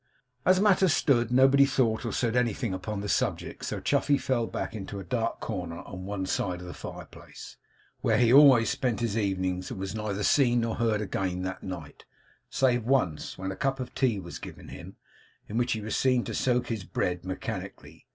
As matters stood, nobody thought or said anything upon the subject; so Chuffey fell back into a dark corner on one side of the fireplace, where he always spent his evenings, and was neither seen nor heard again that night; save once, when a cup of tea was given him, in which he was seen to soak his bread mechanically.